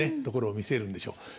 ところを見せるんでしょう。